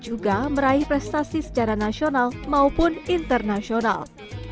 juga meraih prestasi secara nasional maupun internasional